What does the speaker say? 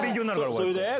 それで？